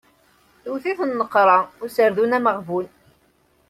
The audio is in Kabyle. Tewwet-it nneqra userdun ameɣbun.